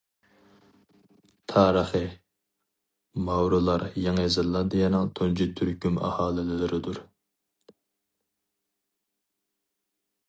تارىخى: ماۋرىلار يېڭى زېلاندىيەنىڭ تۇنجى تۈركۈم ئاھالىلىرىدۇر.